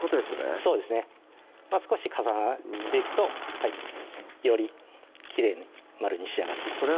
そうですね少し重なっていくとよりきれいに円に仕上がっていきます